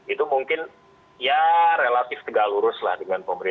itu mungkin ya relatif tegak lurus lah dengan pemerintah